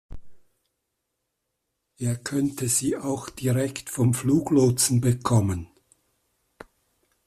Er könnte sie auch direkt vom Fluglotsen bekommen.